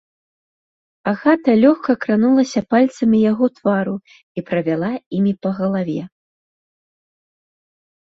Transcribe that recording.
Агата лёгка кранулася пальцамі яго твару і правяла імі па галаве.